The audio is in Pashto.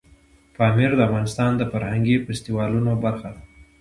پامیر د افغانستان د فرهنګي فستیوالونو برخه ده.